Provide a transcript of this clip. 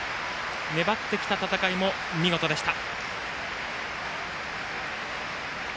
粘ってきた戦いも見事でした。